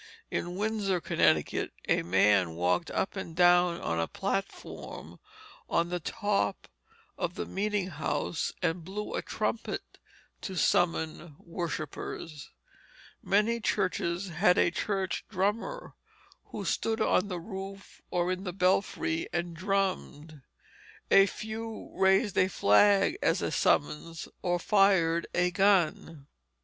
In Windsor, Connecticut, a man walked up and down on a platform on the top of the meeting house and blew a trumpet to summon worshippers. Many churches had a church drummer, who stood on the roof or in the belfry and drummed; a few raised a flag as a summons, or fired a gun.